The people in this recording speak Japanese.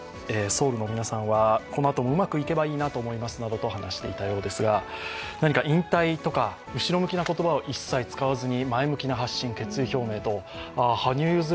ソウルの皆さんは、このあともうまくいけばいいななどと話していたようですが、何か引退とか、後ろ向きな言葉を一切使わずに、前向きな発信・決意表明と羽生結弦